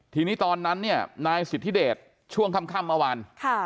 ทีนี้ตอนนั้นเนี่ยนายสิทธิเดชช่วงค่ำเมื่อวาน